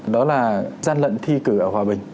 đó là gian lận thi cử ở hòa bình